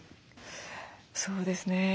そうですね